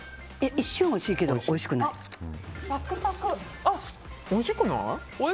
一瞬おいしいけどおいしくない。